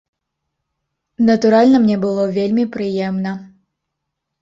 Натуральна, мне было вельмі прыемна.